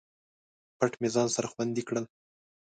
پټ مې ځان سره خوندي کړل